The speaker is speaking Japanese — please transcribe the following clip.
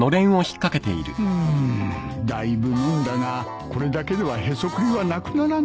うーんだいぶ飲んだがこれだけではへそくりはなくならんな